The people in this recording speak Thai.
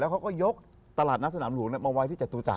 เขาก็ยกตลาดนัดสนามหลวงมาไว้ที่จตุจักร